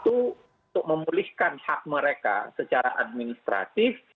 untuk memulihkan hak mereka secara administratif